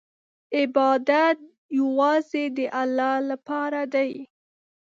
عبادت یوازې د الله لپاره دی.